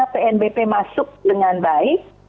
pnbp masuk dengan baik